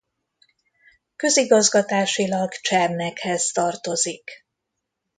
Közigazgatásilag Csernekhez tartozik.